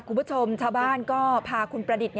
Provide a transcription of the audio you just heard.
คุณผู้ชมชาวบ้านก็พาคุณประดิษฐ์